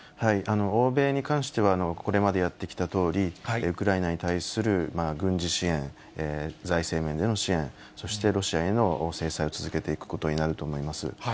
欧米に関しては、これまでやってきたとおり、ウクライナに対する軍事支援、財政面での支援、そしてロシアへの制裁を続けていくことになると思います。